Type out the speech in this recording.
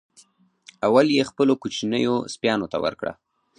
اول یې خپلو کوچنیو سپیانو ته ورکړه.